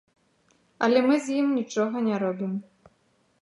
Але мы з ім нічога не робім.